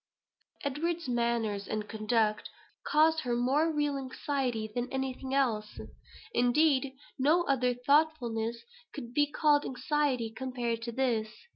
'" Edward's manners and conduct caused her more real anxiety than anything else. Indeed, no other thoughtfulness could be called anxiety compared to this.